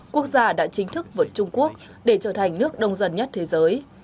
quốc gia đã chính thức vượt trung quốc để trở thành nước đông dân nhất thế giới